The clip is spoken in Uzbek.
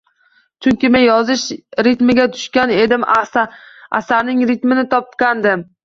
Chunki, men yozish ritmiga tushgan edim, asarning ritmini topgandim